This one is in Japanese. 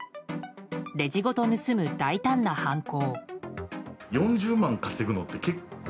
レジごと盗む大胆な犯行。